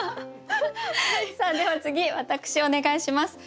では次私お願いします。